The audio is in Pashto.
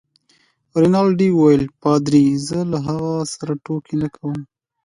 رینالډي وویل: پادري؟ زه له هغه سره ټوکې نه کوم.